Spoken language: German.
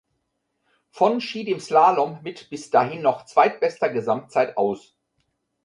Vonn schied im Slalom mit bis dahin noch zweitbester Gesamtzeit aus.